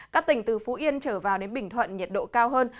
các tỉnh từ phú yên trở vào đến bình thuận nhiệt độ cao hơn